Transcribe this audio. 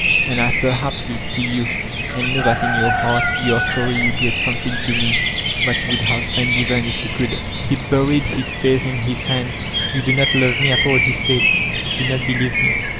And I perhaps will see you, and know that in your heart you are sorry you gave something to me that you would have uQgtven if you could/' He buried his face in his hands. ^Tou do not love mt at an, he said. ''You do not believe me.''